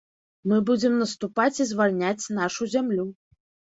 Мы будзем наступаць і звальняць нашу зямлю.